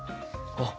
あ！